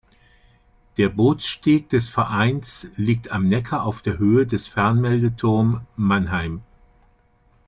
Der Bootssteg des Vereins liegt am Neckar auf Höhe des Fernmeldeturm Mannheim.